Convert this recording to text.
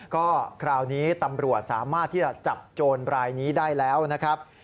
ก็คราวนี้ตำรวจสามารถที่จะจับโจรรายนี้ได้แล้วนะครับ